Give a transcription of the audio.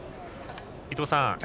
伊東さん